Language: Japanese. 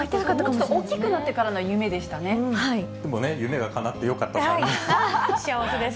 もっと大きくなってからの夢でもね、夢がかなってよかっ幸せです。